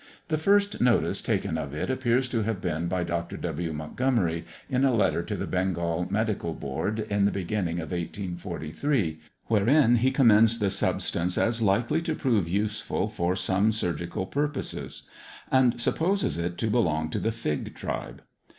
The first notice taken of it appears to have been by Dr. W. Montgomerie, in a letter to the Bengal Medical Board, in the beginning of 1843, wherein he commends the substance as likely to prove useful for some surgical purposes; and supposes it to belong to the Fig tribe.